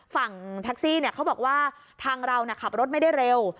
ฝั่งแท็กซี่เขาบอกว่าทางเราขับรถไม่ได้เร็ว